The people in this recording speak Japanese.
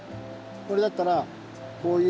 これだったらこういう形で。